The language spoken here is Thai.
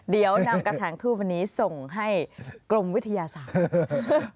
เดี๋ยวนำกระแถงทูบวันนี้ส่งให้กรมวิทยาศาสตร์